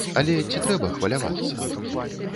Але ці трэба хвалявацца?